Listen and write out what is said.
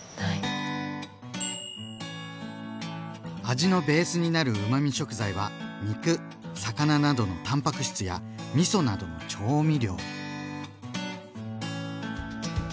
味のベースになるうまみ食材は肉魚などのたんぱく質やみそなどの調味料。